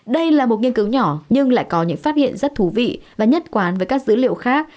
đây là một nghiên cứu nhỏ nhưng lại có những phát hiện rất thú vị và nhất quán với các dữ liệu khác